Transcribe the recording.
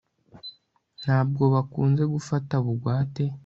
ntabwo bakunze gufata bugwate